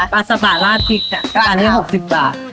ปลาซาบะลาดพริกอันนี้๖๐บาท